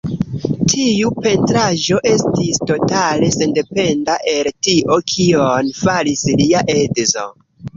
Tiu pentraĵo estis totale sendependa el tio kion faris lia edzo.